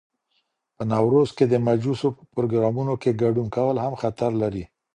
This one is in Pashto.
په نوروز کي د مجوسو په پروګرامونو کي ګډون کول هم خطر لري.